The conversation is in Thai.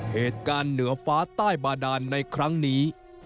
เหตุการณ์เหนือฟ้าใต้บาดานในครั้งนี้